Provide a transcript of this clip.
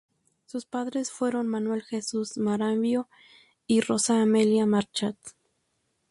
Sus padres fueron Manuel Jesús Marambio y Rosa Amelia Marchant.